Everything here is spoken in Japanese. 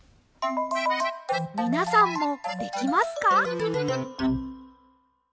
みなさんもできますか？